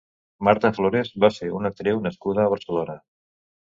Marta Flores va ser una actriu nascuda a Barcelona.